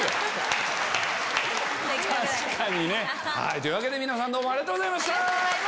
というわけで皆さんどうもありがとうございました。